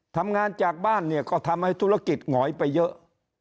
ทำงานจากบ้านเนี่ยก็ทำให้ธุรกิจหงอยไปเยอะ